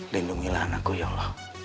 lindungilah anakku ya allah